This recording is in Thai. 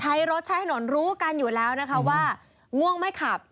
ใช้รถใช้ถนนรู้กันอยู่แล้วนะคะว่าง่วงไม่ขับ